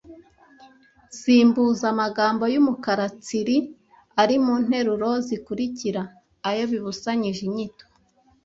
Simbuza amagambo y’umukara tsiri ari mu nteruro zikurikira ayo bibusanyije inyito